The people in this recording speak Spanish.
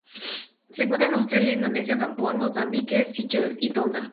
Se encuentra en Australia, Indonesia, Japón, Mozambique, Seychelles y Tonga.